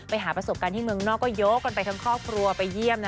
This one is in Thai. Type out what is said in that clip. ไปหาประสบการณ์ที่เมืองนอกก็ยกกันไปทั้งครอบครัวไปเยี่ยมนะ